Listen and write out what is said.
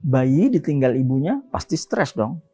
bayi ditinggal ibunya pasti stres dong